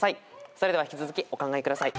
それでは引き続きお考えください。